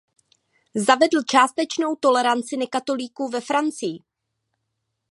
Zavedl částečnou toleranci nekatolíků ve Francii.